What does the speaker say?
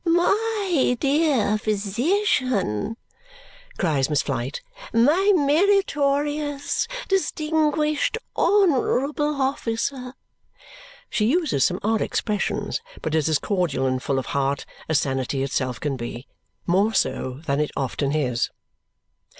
"My dear physician!" cries Miss Flite. "My meritorious, distinguished, honourable officer!" She uses some odd expressions, but is as cordial and full of heart as sanity itself can be more so than it often is.